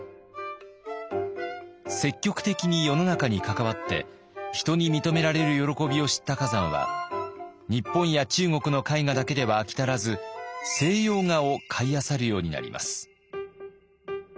積極的に世の中に関わって人に認められる喜びを知った崋山は日本や中国の絵画だけでは飽き足らず西洋画を買いあさるようになります。